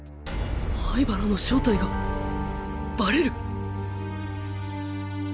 灰原の正体がバレる